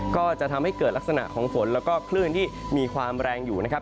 ก็จะทำให้เกิดลักษณะของฝนแล้วก็คลื่นที่มีความแรงอยู่นะครับ